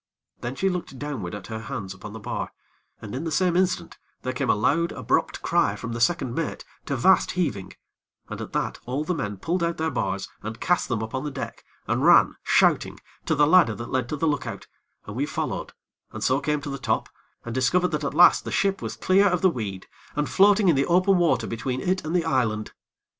Then she looked downward at her hands upon the bar; and, in the same instant, there came a loud, abrupt cry from the second mate, to vast heaving, and at that all the men pulled out their bars and cast them upon the deck, and ran, shouting, to the ladder that led to the look out, and we followed, and so came to the top, and discovered that at last the ship was clear of the weed, and floating in the open water between it and the island.